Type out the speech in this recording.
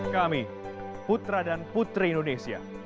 kami putra dan putri indonesia